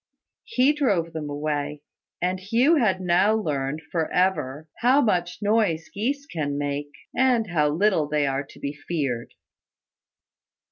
He drove them away, and Hugh had now learned, for ever, how much noise geese can make, and how little they are to be feared.